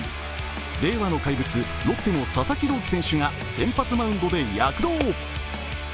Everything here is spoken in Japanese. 令和の怪物、ロッテの佐々木朗希選手が先発マウンドで躍動。